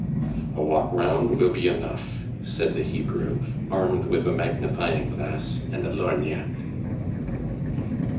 "A walk round will be enough," said the Hebrew, armed with a magnifying glass and a lorgnette.